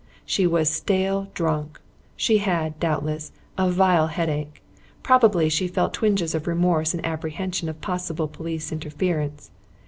She was stale drunk; she had, doubtless, a vile headache; probably she felt twinges of remorse and apprehension of possible police interference.